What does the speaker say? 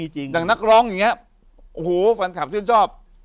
จากนักร้องอย่างนี้ฟันคลับชื่นชอบ